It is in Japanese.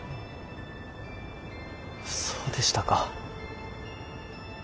そうでしたか。